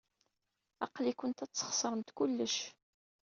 Aql-ikent ad tesxeṣremt kullec.